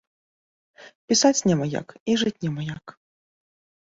Пісаць няма як і жыць няма як.